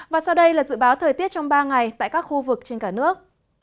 và sau đây là dự báo thời tiết trong ba ngày tại các khu vực trên cả nước